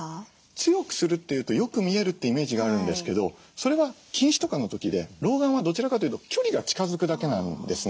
強くするっていうとよく見えるってイメージがあるんですけどそれは近視とかの時で老眼はどちらかというと距離が近づくだけなんですね。